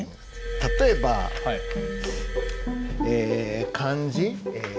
例えばえ漢字？え